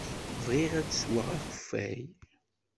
Bɣiɣ ad sweɣ akeffay.